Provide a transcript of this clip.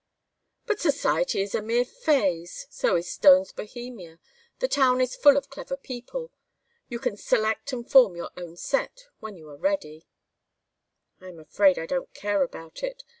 "But Society is a mere phase. So is Stone's Bohemia. The town is full of clever people. You can select and form your own set when you are ready." "I am afraid I don't care about it.